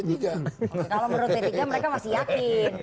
kalau menurut p tiga mereka masih yakin